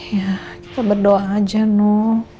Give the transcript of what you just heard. ya kita berdoa aja nu